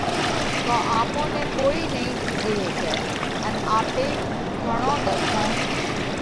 تو آپون نئہ ڪوئي نئين ٺڳي هيڪئہ ان آپي گھڻون ۮکون